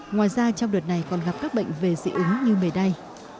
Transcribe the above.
ngoài ra trong đợt này còn gặp các bệnh về dị ứng như mề đay